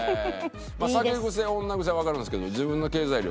「酒癖女癖」はわかるんですけど「自分の経済力」